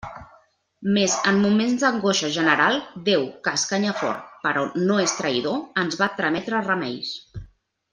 Mes en moments d'angoixa general, Déu, que escanya fort, però no és traïdor, ens va trametre remeis.